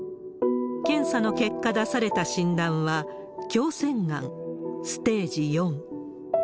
検査の結果、出された診断は、胸腺がんステージ４。